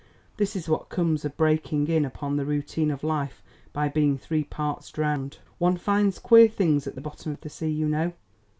This is what comes of breaking in upon the routine of life by being three parts drowned. One finds queer things at the bottom of the sea, you know.